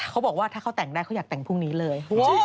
เขาบอกว่าถ้าเขาแต่งได้เขาอยากแต่งพรุ่งนี้เลย